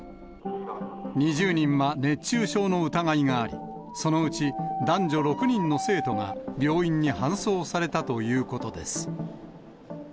２０人は熱中症の疑いがあり、そのうち男女６人の生徒が病院に搬送されたということです。